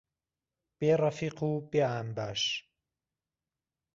بێ ڕهفیق و بێ ئامباش